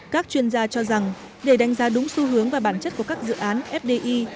các chuyên gia cho rằng để đánh giá đúng xu hướng và bản chất của các dự án fdi